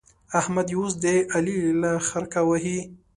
احمد يې اوس د علي له خرکه وهي.